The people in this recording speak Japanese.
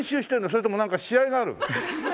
それともなんか試合がある？